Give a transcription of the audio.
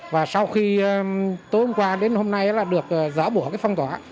và sau khi tối hôm qua đến hôm nay là được giả bủa cái phong tỏa